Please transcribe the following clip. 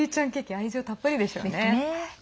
愛情たっぷりでしょうね。